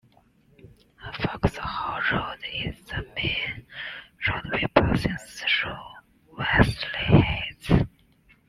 Foxhall Road is the main roadway passing through Wesley Heights.